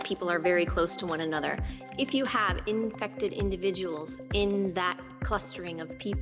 jika anda memiliki orang orang yang terinfeksi di dalam kelukuran orang orang